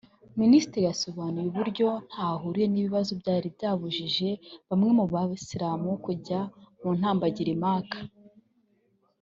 Minisitiri yasobanuye uburyo ntaho ahuriye n’ibibazo byari byabujije bamwe mu Bayisilamu kujya mu mutambagiro i Maka